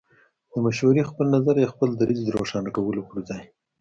د مشورې، خپل نظر يا خپل دريځ د روښانه کولو پر ځای